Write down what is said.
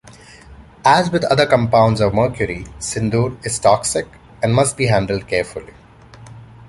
As with other compounds of mercury, sindoor is toxic and must be handled carefully.